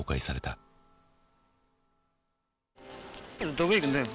どこへ行くんだよ。